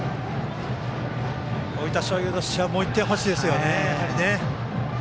大分商業としては、やはりもう１点、欲しいですよね。